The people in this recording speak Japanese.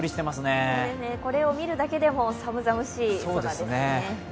これを見るだけでも寒々しい空ですね。